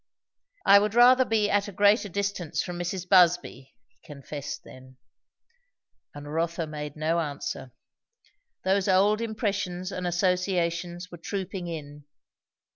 "I would rather be at a greater distance from Mrs. Busby," he confessed then. And Rotha made no answer. Those old impressions and associations were trooping in.